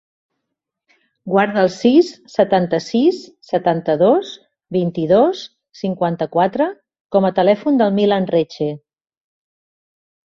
Guarda el sis, setanta-sis, setanta-dos, vint-i-dos, cinquanta-quatre com a telèfon del Milan Reche.